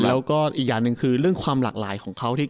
แล้วก็อีกอย่างหนึ่งคือเรื่องความหลากหลายของเขาที่